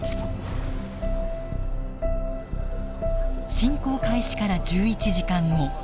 侵攻開始から１１時間後。